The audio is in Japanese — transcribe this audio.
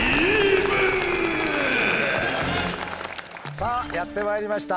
さあやってまいりました。